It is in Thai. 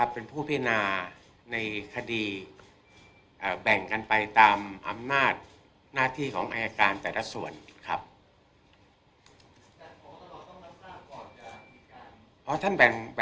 เป็นผู้พินาในคดีแบ่งกันไปตามอำนาจหน้าที่ของอายการแต่ละส่วนครับ